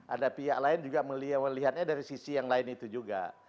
ada pihak lain juga melihatnya dari sisi yang lain itu juga